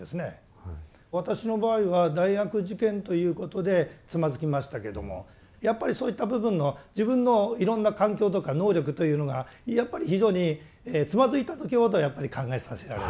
私の場合は大学受験ということでつまずきましたけどもやっぱりそういった部分の自分のいろんな環境とか能力というのがやっぱり非常につまずいた時ほどやっぱり考えさせられる。